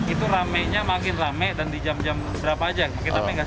itu ramenya makin rame dan di jam jam berapa aja